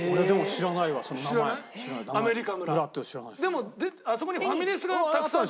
でもあそこにファミレスがたくさん。